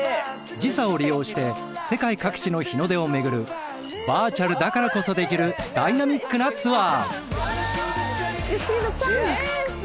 時差を利用して世界各地の日の出を巡るバーチャルだからこそできるダイナミックなツアー！